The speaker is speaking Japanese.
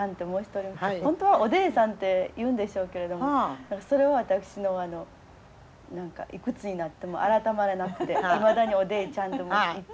本当はおでえさんと言うんでしょうけれどもそれは私の何かいくつになっても改まれなくていまだにおでえちゃんと申しておりますけれども。